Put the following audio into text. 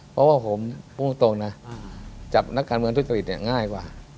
เพราะว่าผมพูดตรงนะจับนักการเมืองทุจริตเนี่ยง่ายกว่า